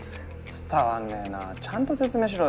伝わんねえなちゃんと説明しろよ。